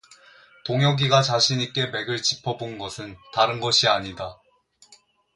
동혁이가 자신 있게 맥을 짚어 본 것은 다른 것이 아니다.